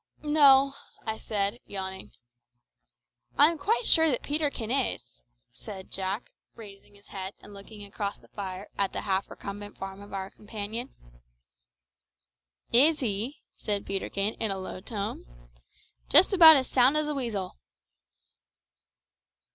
"No," said I, yawning. "I'm quite sure that Peterkin is," added Jack, raising his head and looking across the fire at the half recumbent form of our companion. "Is he?" said Peterkin in a low tone. "Just about as sound as a weasel!"